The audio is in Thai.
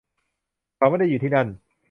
เขาไม่ได้อยู่ที่นั่น